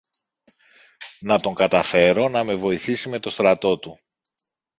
να τον καταφέρω να με βοηθήσει με το στρατό του